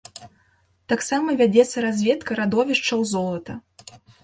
Таксама вядзецца разведка радовішчаў золата.